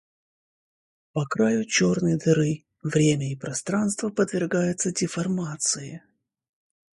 По краю черной дыры время и пространство подвергаются деформации.